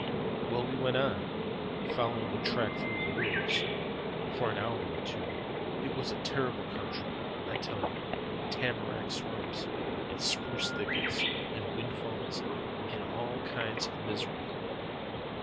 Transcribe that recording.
"Well, we went on, following that track through the woods, for an hour or two. It was a terrible country, I tell you: tamarack swamps, and spruce thickets, and windfalls, and all kinds of misery.